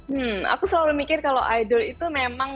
hmm aku selalu mikir kalau idol itu memang